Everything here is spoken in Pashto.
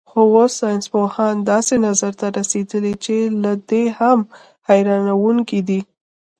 خو اوس ساینسپوهان داسې نظر ته رسېدلي چې له دې هم حیرانوونکی دی.